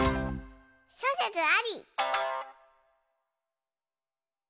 しょせつあり！